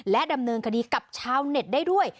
ดำเนินคดีกับชาวเน็ตได้ด้วย